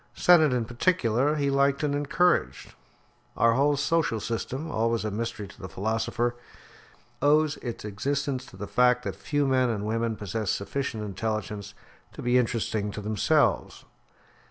Sennett, in particular, he liked and encouraged. Our whole social system, always a mystery to the philosopher, owes its existence to the fact that few men and women possess sufficient intelligence to be interesting to themselves.